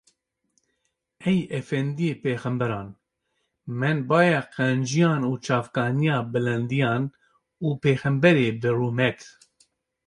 Ey efendiyê pêxemberan, menbaya qenciyan û çavkaniya bilindiyan û pêxemberê bi rûmet!